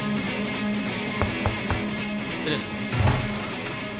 失礼します。